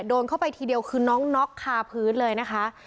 โดนเข้าไปทีเดียวคือน้องน็อกคาพื้นเลยนะคะ